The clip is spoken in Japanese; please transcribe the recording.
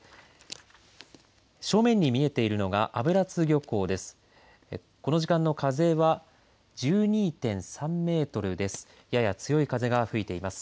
正面に見えているのが油津漁港です。